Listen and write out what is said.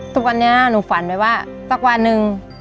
ทุกวันนี้หนูฝันไว้ว่าสักวันหนึ่ง